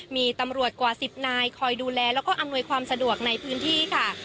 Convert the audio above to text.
มีตำรวจกว่า๑๐นายคอยดูแลแล้วก็อำนวยความสะดวกในพื้นที่ค่ะ